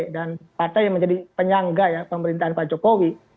dan partai yang menjadi penyangga pemerintahan pak jokowi